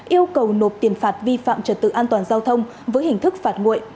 yêu cầu nộp tiền phạt vi phạm trật tự an toàn giao thông với hình thức phạt nguội